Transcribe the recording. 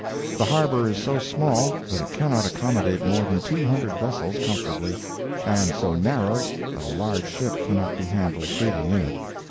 The harbor is so small that it cannot accommodate more than two hundred vessels comfortably, and so narrow that a large ship cannot be handled freely in it.